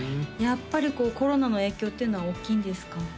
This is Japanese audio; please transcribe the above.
やっぱりこうコロナの影響っていうのは大きいんですか？